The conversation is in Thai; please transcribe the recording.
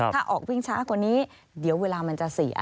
ถ้าออกวิ่งช้ากว่านี้เดี๋ยวเวลามันจะเสีย